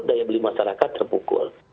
daya beli masyarakat terpukul